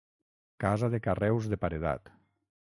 Casa de carreus de paredat.